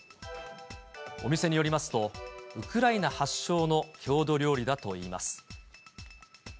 お店によりますと、ウクライナ発祥の郷土料理だといいます。